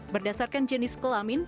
berdasarkan jenis kelamin